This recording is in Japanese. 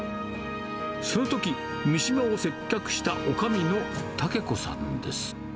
そのとき、三島を接客したおかみの武子さんです。